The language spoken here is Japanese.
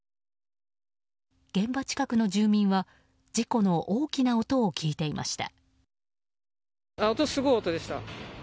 現場近くの住民は事故の大きな音を聞いていました。